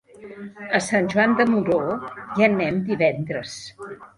A Sant Joan de Moró hi anem divendres.